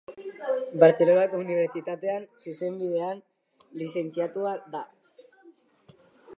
Bartzelonako Unibertsitatean Zuzenbidean lizentziatua da.